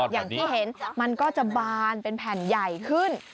อย่างที่เห็นมันก็จะบานเป็นแผ่นใหญ่ขึ้น